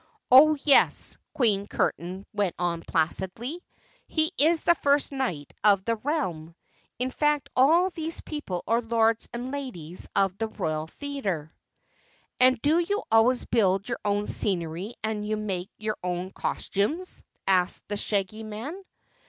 "Oh, yes," Queen Curtain went on placidly. "He is the First Knight of the Realm in fact all these people are Lords and Ladies of the Royal Theater." "And do you always build your own scenery and make your own costumes?" asked the Shaggy Man.